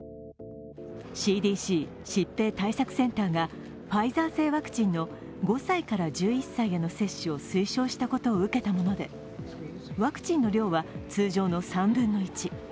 ＣＤＣ＝疾病対策センターがファイザー製ワクチンの５歳から１１歳への接種を推奨したことを受けたもので、ワクチンの量は通常の３分の１。